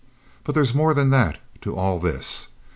But there's more than that to all this.